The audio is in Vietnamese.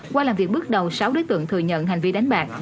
qua làm việc bước đầu sáu đối tượng thừa nhận hành vi đánh bạc